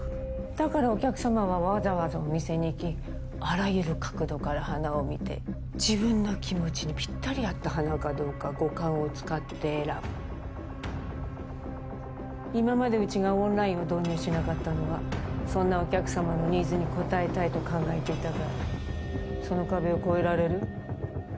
だからお客様はわざわざお店に行きあらゆる角度から花を見て自分の気持ちにぴったり合った花かどうか五感を使って選ぶ今までうちがオンラインを導入しなかったのはそんなお客様のニーズに応えたいと考えていたからその壁を越えられる？